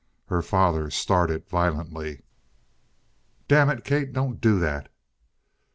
Her father started violently. "Damn it, Kate, don't do that!"